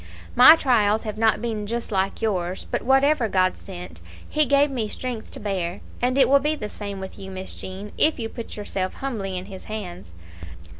"My trials have not been just like yours; but whatever God sent, He gave me strength to bear; and it will be the same with you, Miss Jean, if you put yourself humbly in His hands.